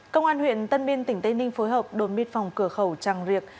công an huyện tân biên tỉnh tây ninh phối hợp đồn biên phòng cửa khẩu trăng riệt